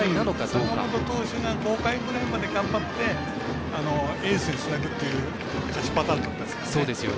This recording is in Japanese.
坂本投手が５回ぐらいまで頑張ってエースにつなぐっていう勝ちパターンだったですからね。